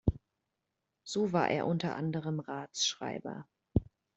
So war er unter anderem Ratsschreiber.